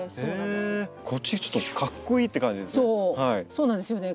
そうなんですよね。